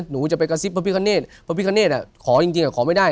พี่จะไปกระซิบพระพี่คณ์เนธพระพี่คณ์เนธอ่ะขอจริงจริงอ่ะขอไม่ได้